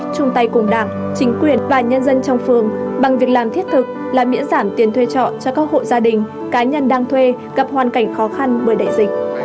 chung tay cùng đảng chính quyền và nhân dân trong phường bằng việc làm thiết thực là miễn giảm tiền thuê trọ cho các hộ gia đình cá nhân đang thuê gặp hoàn cảnh khó khăn bởi đại dịch